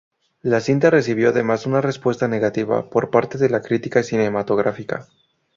La cinta recibió además una respuesta negativa por parte de la crítica cinematográfica.